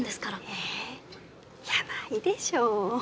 えいやないでしょ。